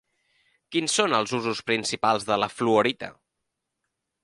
Quins són els usos principals de la fluorita?